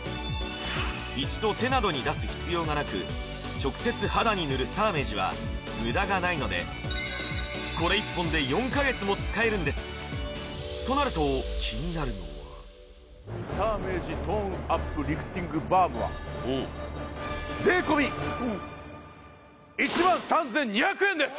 一度手などに出す必要がなく直接肌に塗るサーメージはムダがないのでこれ１本で４か月も使えるんですとなると気になるのはサーメージトーンアップリフティングバームは税込１３２００円です！